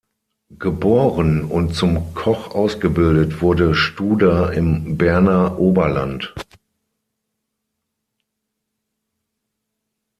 Geboren und zum Koch ausgebildet wurde Studer im Berner Oberland.